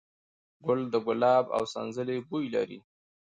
ګل د ګلاب او د سنځلې بوی لري.